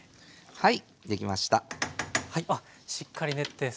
はい。